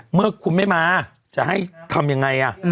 เมื่อคุณไม่มาจะให้ทำยังไง